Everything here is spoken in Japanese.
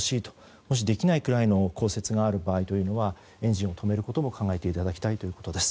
もしできないくらいの降雪がある場合はエンジンを止めることも考えていただきたいということです。